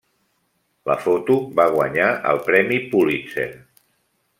La foto va guanyar el premi Pulitzer.